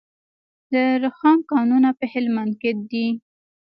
د رخام کانونه په هلمند کې دي